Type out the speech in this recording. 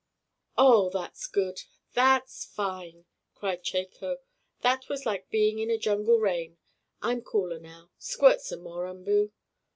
"Oh, that's good! That's fine!" cried Chako. "That was like being in a jungle rain. I'm cooler now. Squirt some more, Umboo!"